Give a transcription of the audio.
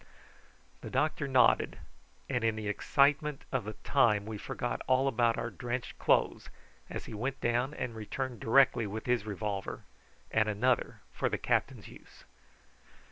The doctor nodded, and in the excitement of the time we forgot all about our drenched clothes as he went down and returned directly with his revolver, and another for the captain's use.